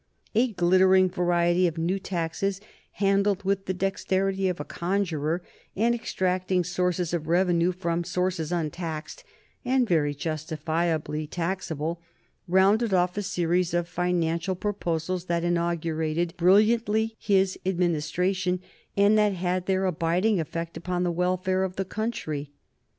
A glittering variety of new taxes, handled with the dexterity of a conjuror, and extracting sources of revenue from sources untaxed and very justifiably taxable, rounded off a series of financial proposals that inaugurated brilliantly his administration, and that had their abiding effect upon the welfare of the country.